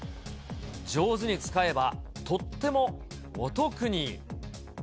上手に使えば、とってもお得に。